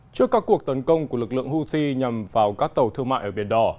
trước các cuộc tấn công của lực lượng houthi nhằm vào các tàu thương mại ở biển đỏ